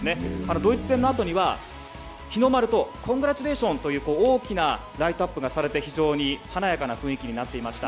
ドイツ戦のあとには日の丸とコングラッチュレーション！と大きなライトアップがされて非常に華やかな雰囲気になっていました。